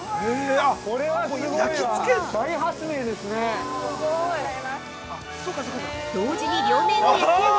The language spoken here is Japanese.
これはすごいわ。